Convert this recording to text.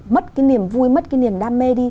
mất cái niềm vui mất cái niềm đam mê đi